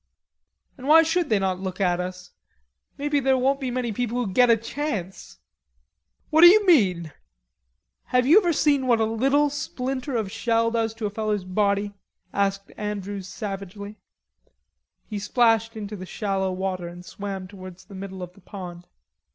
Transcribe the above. "And why should they not look at us? Maybe there won't be many people who get a chance." "What do you mean?" "Have you ever seen what a little splinter of a shell does to a feller's body?" asked Andrews savagely. He splashed into the shallow water and swam towards the middle of the pond.